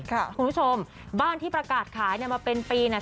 คุณผู้ชมบ้านที่ประกาศขายเนี่ยมาเป็นปีเนี่ย